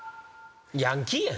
ヤンキーやん。